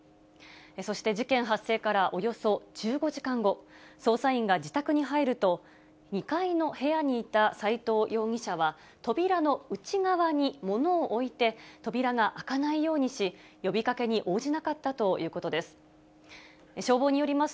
そして事件発生からおよそ１５時間後、捜査員が自宅に入ると、２階の部屋にいた斎藤容疑者は、扉の内側に物を置いて、扉が開かないようにし、呼びかけに応じなかったということです。